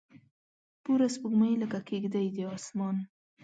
پوره سپوږمۍ لکه کیږدۍ د اسمان